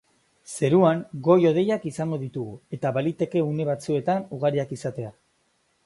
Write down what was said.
Zeruan, goi-hodeiak izango ditugu, eta baliteke une batzuetan ugariak izatea.